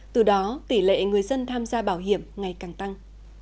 từ đó tỷ lệ người dân tham gia bảo hiểm ngày càng tăng